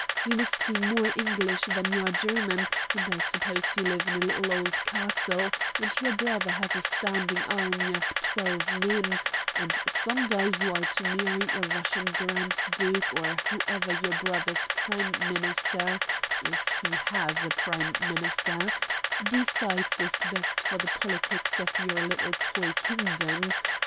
You must be much more English than you are German; and I suppose you live in a little old castle, and your brother has a standing army of twelve men, and some day you are to marry a Russian Grand Duke, or whoever your brother's Prime Minister if he has a Prime Minister decides is best for the politics of your little toy kingdom.